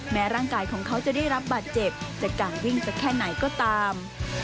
ร่างกายของเขาจะได้รับบาดเจ็บจากการวิ่งสักแค่ไหนก็ตาม